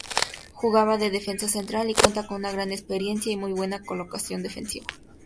Jugaba de defensa central y cuenta con gran experiencia y muy buena colocación defensiva.